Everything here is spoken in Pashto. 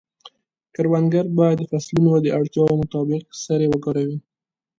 کروندګر باید د فصلونو د اړتیاوو مطابق سرې وکاروي.